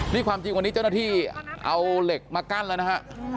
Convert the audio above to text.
นี่ความจริงวันนี้เจ้าหน้าที่เอาเหล็กมากั้นแล้วนะฮะ